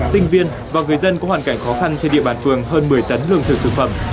sinh viên và người dân có hoàn cảnh khó khăn trên địa bàn phường hơn một mươi tấn lương thực thực phẩm